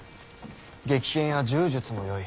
撃剣や柔術もよい。